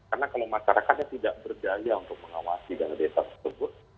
karena kalau masyarakatnya tidak berdaya untuk mengawasi dana desa tersebut